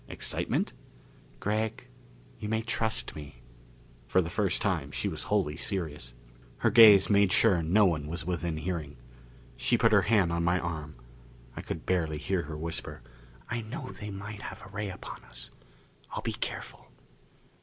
"Excitement?" "Gregg, you may trust me." For the first time she was wholly serious. Her gaze made sure no one was within hearing. She put her hand on my arm. I could barely hear her whisper: "I know they might have a ray upon us. I'll be careful."